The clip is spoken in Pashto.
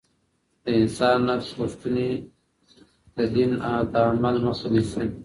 د انسان نفس غوښتنې د دين د عمل مخه نيسي.